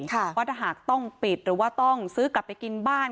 ว่าถ้าหากต้องปิดหรือว่าต้องซื้อกลับไปกินบ้าน